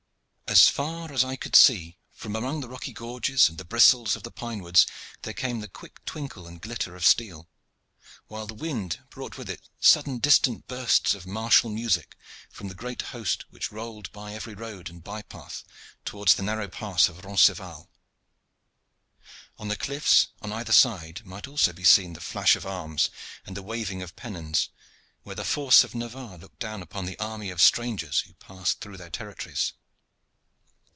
As far as eye could see from among the rocky gorges and the bristles of the pine woods there came the quick twinkle and glitter of steel, while the wind brought with it sudden distant bursts of martial music from the great host which rolled by every road and by path towards the narrow pass of Roncesvalles. On the cliffs on either side might also be seen the flash of arms and the waving of pennons where the force of Navarre looked down upon the army of strangers who passed through their territories.